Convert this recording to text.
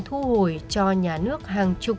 thu hồi cho nhà nước hàng chục